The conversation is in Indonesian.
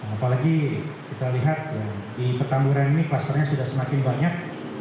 apalagi kita lihat di petamburan ini klusternya sudah semakin banyak